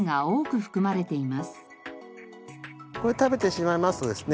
これ食べてしまいますとですね